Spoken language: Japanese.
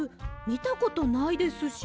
みたことないですし。